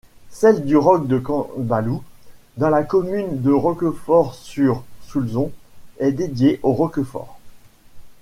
Celles du roc du Combalou dans la commune de Roquefort-sur-Soulzon est dédiée au roquefort.